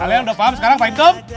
kalian udah paham sekarang pak itom